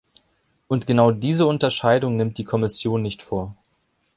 Und genau diese Unterscheidung nimmt die Kommission nicht vor.